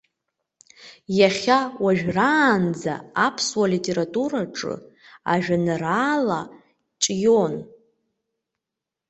Иахьа уажәраанӡа аԥсуа литератураҿы ажәеинраала ҿион.